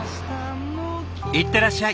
行ってらっしゃい。